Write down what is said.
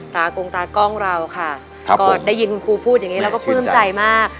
ตากงตากล้องเราค่ะครับผมก็ได้ยินคุณครูพูดอย่างงี้เราก็พิมพ์ใจมาก